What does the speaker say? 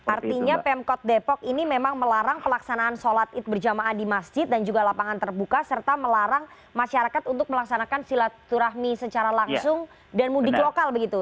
artinya pemkot depok ini memang melarang pelaksanaan sholat id berjamaah di masjid dan juga lapangan terbuka serta melarang masyarakat untuk melaksanakan silaturahmi secara langsung dan mudik lokal begitu